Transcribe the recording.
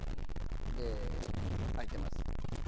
で「空いてます」